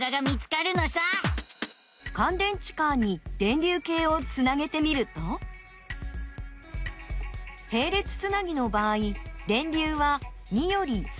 かん電池カーに電流計をつなげてみるとへい列つなぎの場合電流は２より少し小さくなっています。